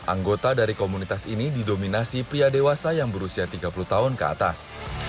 anggota dari komunitas ini didominasi pria dewasa yang berusia tiga puluh tahun ke atas